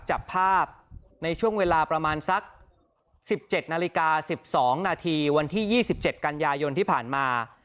จับภาพในช่วงเวลาประมาณสัก๑๗นาฬิกา๑๒นาทีวันที่๒๗กันยายนที่ผ่านมา